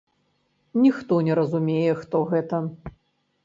Ніхто не разумее, хто гэта.